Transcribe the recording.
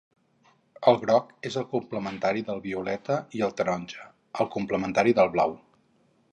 El groc és el complementari del violeta i el taronja, el complementari del blau.